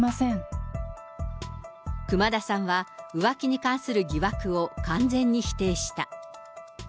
熊田さんは、浮気に関する疑惑を完全に否定した。